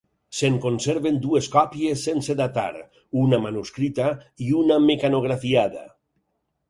Se'n conserven dues còpies sense datar, una manuscrita i una mecanografiada.